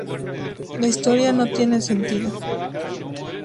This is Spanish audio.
La historia no tiene sentido.